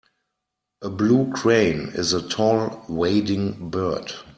A blue crane is a tall wading bird.